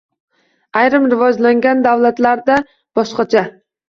Ayrim rivojlangan davlatlarda boshqacha